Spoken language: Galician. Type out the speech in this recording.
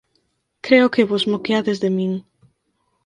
Creo que vos moqueades de min.